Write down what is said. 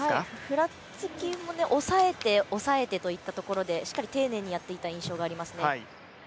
ふらつきも抑えて抑えてというところでしっかり丁寧にやっていた印象がありますね。